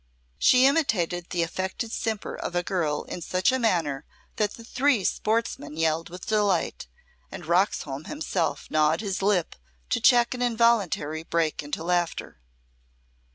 '" She imitated the affected simper of a girl in such a manner that the three sportsmen yelled with delight, and Roxholm himself gnawed his lip to check an involuntary break into laughter.